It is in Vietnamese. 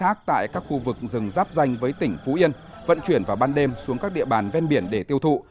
cây cồn được khai thác tại các khu vực rừng rắp danh với tỉnh phú yên vận chuyển vào ban đêm xuống các địa bàn ven biển để tiêu thụ